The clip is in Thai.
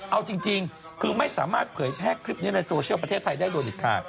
เอาจริงคือไม่สามารถเผยแพร่คลิปนี้ในโซเชียลประเทศไทยได้โดยเด็ดขาด